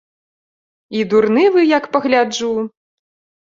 І дурны вы, як пагляджу.